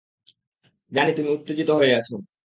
জানি তুমি উত্তেজিত হয়ে আছো।